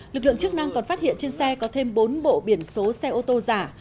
lực lượng chức năng còn phát hiện trên xe có thêm bốn bộ biển số xe ô tô giả